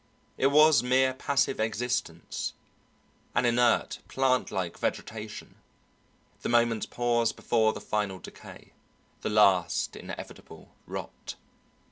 It was mere passive existence, an inert, plantlike vegetation, the moment's pause before the final decay, the last inevitable rot.